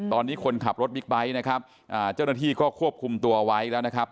ตอนนี้คนขับรถบิ๊กไบท์นะครับเจ้าหน้าที่ก็ควบคุมตัวไว้แล้วนะครับ